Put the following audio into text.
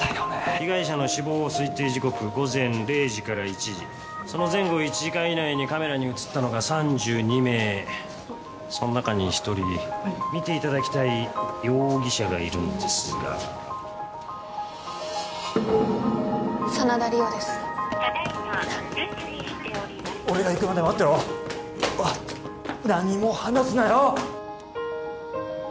被害者の死亡推定時刻午前０時から１時その前後１時間以内にカメラに写ったのが３２名その中に１人見ていただきたい容疑者がいるんですが真田梨央です俺が行くまで待ってろ何も話すなよ